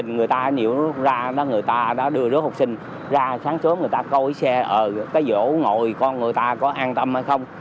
người ta đưa rước học sinh ra sáng sớm người ta coi xe ở cái vỗ ngồi con người ta có an tâm hay không